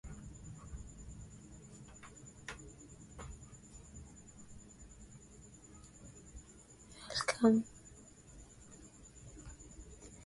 kata vipande vya viazi lishe